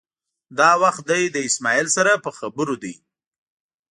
دا وخت دی له اسمعیل سره په خبرو دی.